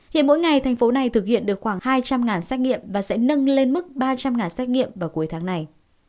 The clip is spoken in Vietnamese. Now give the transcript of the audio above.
hiện mỗi ngày thành phố này thực hiện được khoảng hai trăm linh xét nghiệm và sẽ nâng lên mức ba trăm linh xét nghiệm vào cuối tháng này